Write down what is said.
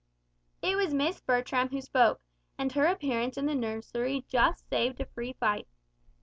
It was Miss Bertram who spoke, and her appearance in the nursery just saved a free fight.